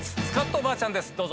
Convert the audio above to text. スカッとばあちゃんです。